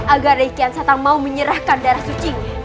agar rai kian santang mau menyerahkan darah suci